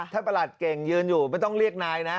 ประหลัดเก่งยืนอยู่ไม่ต้องเรียกนายนะ